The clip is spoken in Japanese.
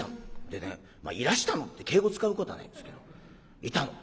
でね「いらしたの」って敬語使うことはないんですけどいたの。